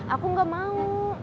aku gak mau